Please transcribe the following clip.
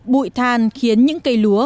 bụi than khiến những cây lúa